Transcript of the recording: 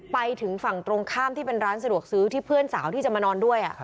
ไปถึงฝั่งตรงข้ามที่เป็นร้านสะดวกซื้อที่เพื่อนสาวที่จะมานอนด้วย